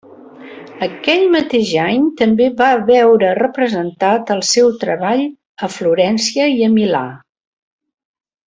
Aquell mateix any també va veure representat el seu treball a Florència i a Milà.